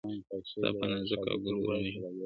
ستا په نازك او گل ورين وجود كـــــــــــــي.